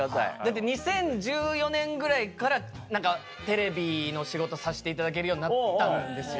２０１４年ぐらいから何かテレビの仕事させていただけるようになったんですよ。